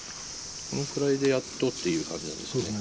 このくらいでやっとっていう感じなんですね。